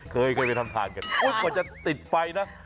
เคยไปทำทางเกิดอุ๊ยมันจะติดไฟนะ